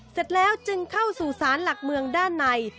เสร็จแล้วจึงเข้าสู่ศาลหลักเมืองด้านใน